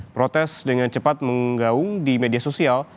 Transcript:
protes dengan cepat menggaung di media sosial